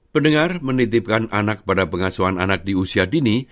pendengar menitipkan anak pada pengasuhan anak di usia dini